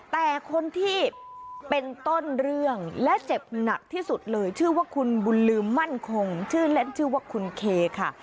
แต่คนที่เป็นต้นเรื่องและเจ็บหนักที่สุดเลยชื่อว่าคุณบุญลืมมั่นคงชื่อเล่นชื่อว่าคุณเคค่ะ